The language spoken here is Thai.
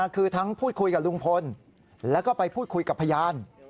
คือทั้งพูดคุยกับลุงพลแล้วก็ไปพูดคุยกับพยาน